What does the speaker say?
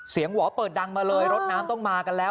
หวอเปิดดังมาเลยรถน้ำต้องมากันแล้ว